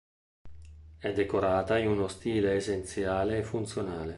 È decorata in uno stile essenziale e funzionale.